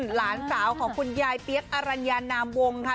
หลานสาวของคุณยายเปี๊ยกอรัญญานามวงค่ะ